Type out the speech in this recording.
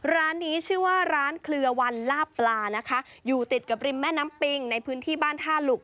ร้านนี้ชื่อว่าร้านเคลือวันลาบปลานะคะอยู่ติดกับริมแม่น้ำปิงในพื้นที่บ้านท่าหลุก